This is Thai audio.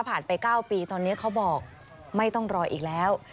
ไป๙ปีตอนนี้เขาบอกไม่ต้องรออีกแล้ว